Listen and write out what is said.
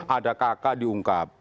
ada kk diungkap